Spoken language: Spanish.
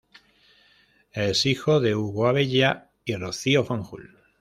Es hijo de Hugo Abella y Rocío Fanjul.